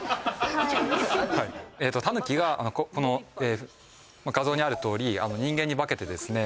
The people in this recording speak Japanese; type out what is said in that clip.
えと狸がこの画像にあるとおり人間に化けてですね